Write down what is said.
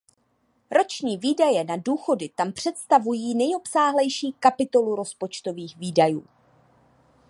Roční výdaje na důchody tam představují nejobsáhlejší kapitolu rozpočtových výdajů.